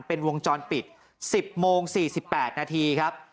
เป็นวงจรปิด๑๐โมง๔๘นาทีครับ